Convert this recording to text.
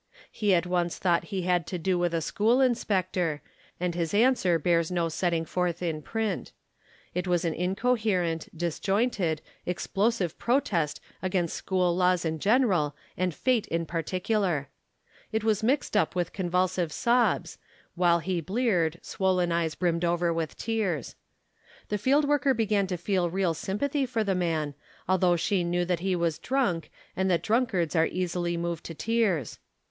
'* He at once thought he had to do with a school inspector, and his answer bears no setting forth in print. It was an incoherent, disjointed, explosive protest against school laws in general and fate in particular. It was mixed up with convulsive sobs, while his bleared, swollen eyes brimmed over with tears. The field worker began to feel real sympathy for the man, although she knew that he was drunk and that drunkards are easily moved to tears.